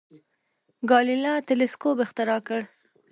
ګالیله تلسکوپ اختراع کړ.